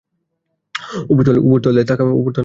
উপরতলায় থাকা তার ভাই।